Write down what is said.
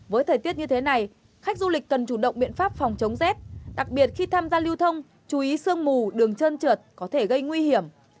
với thời tiết như thế này khách du lịch cần chủ động biện pháp phòng chống rét đặc biệt khi tham gia lưu thông chú ý sương mù đường trơn trượt có thể gây nguy hiểm